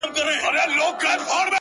پاگل لگیا دی نن و ټول محل ته رنگ ورکوي-